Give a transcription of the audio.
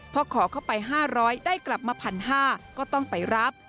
พอขอเข้าไป๕๐๐ได้กลับมา๑๕๐๐ก็ต้องไปรับ